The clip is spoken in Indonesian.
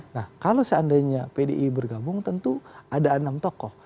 nah kalau seandainya pdi bergabung tentu ada enam tokoh